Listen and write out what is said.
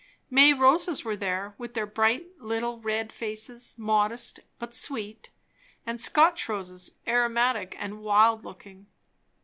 May roses were there, with their bright little red faces, modest but sweet; and Scotch roses, aromatic and wild looking.